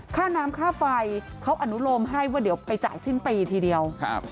ค่าน้ำค่าไฟเขาอนุโลมให้ว่าเดี๋ยวไปจ่ายสิ้นปีทีเดียวครับ